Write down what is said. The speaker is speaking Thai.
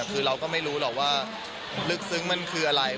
คือเราก็ไม่รู้หรอกว่าลึกซึ้งมันคืออะไร